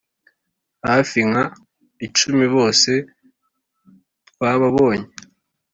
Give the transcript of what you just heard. hafi nka icumi bose twababonye